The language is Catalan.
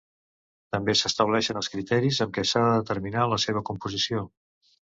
També s'estableixen els criteris amb què s'ha de determinar la seva composició.